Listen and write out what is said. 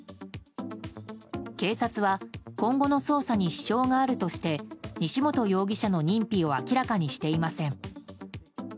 警察は今後の捜査に支障があるとして西本容疑者の認否を明らかにしていません。